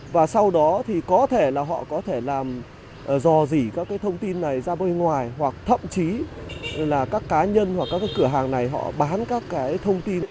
và sau đó thì có thể là họ có thể làm dò dỉ các cái thông tin này ra bên ngoài hoặc thậm chí là các cá nhân hoặc các cái cửa hàng này họ bán các cái thông tin